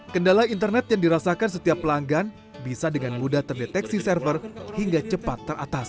kendala internet yang dirasakan setiap pelanggan bisa dengan mudah terdeteksi server hingga cepat teratasi